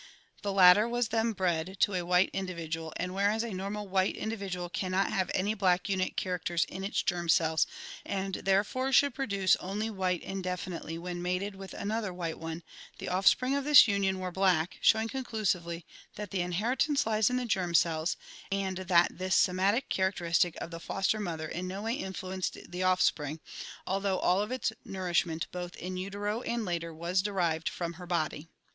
The latter was then bred to a white individual and whereas a normal white in dividual can not have any black unit characters in its germ cells and therefore should produce only white indefinitely when mated with another white one, the offspring of this union were black, showing conclusively that the inheritance lies in the germ cells, and that this somatic characteristic of the foster mother in no way influenced the offspring, although all of its nourishment both in uiero and later was derived from her body.